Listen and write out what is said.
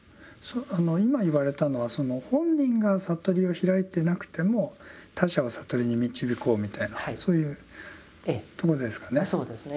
今言われたのはその本人が悟りを開いてなくても他者を悟りに導こうみたいなそういうとこですかね。